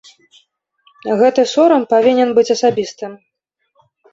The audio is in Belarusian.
Гэты сорам павінен быць асабістым.